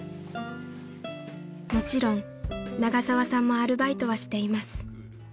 ［もちろん永沢さんもアルバイトはしています］